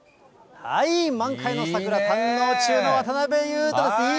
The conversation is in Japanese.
満開の桜、堪能中の渡辺裕太です。